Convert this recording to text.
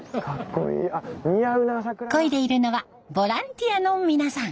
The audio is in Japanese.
こいでいるのはボランティアの皆さん。